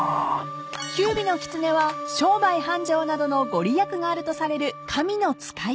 ［九尾の狐は商売繁盛などの御利益があるとされる神の使い］